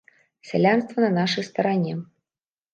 Сялянства на нашай старане.